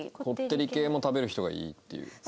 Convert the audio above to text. こってり系も食べる人がいいっていう。